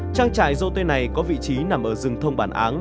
trang trại dô tây này có vị trí nằm ở rừng thông bản áng